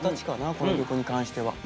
この曲に関しては。